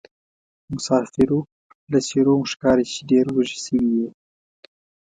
مسافرو له څېرومو ښکاري چې ډېروږي سوي یې.